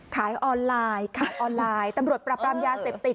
ขายออนไลน์ขายออนไลน์ตำรวจปรับรามยาเสพติด